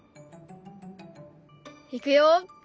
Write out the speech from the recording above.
いくよ。